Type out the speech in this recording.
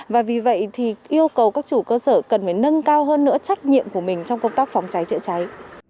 và vì vậy thì yêu cầu các chủ cơ sở cần phải nâng cao hơn nữa trách nhiệm của mình trong công tác phòng cháy chữa cháy